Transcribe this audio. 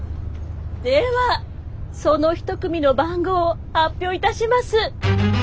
ではその一組の番号を発表いたします。